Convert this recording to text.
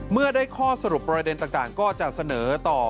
เมื่อได้ข้อสรุปประเด็นต่างก็จะเสนอต่อ